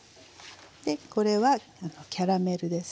これはキャラメルですね。